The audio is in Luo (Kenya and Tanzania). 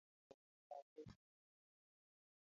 Nanga maberno pesa adi?